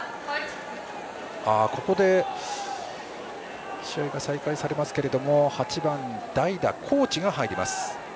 ここで試合が再開されますけど８番、代打・河内が入ります。